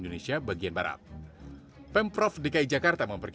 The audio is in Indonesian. kuda memadamkan kobaran api yang diduga berasal dari korsleting listrik